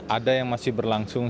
ada yang masih berlangsung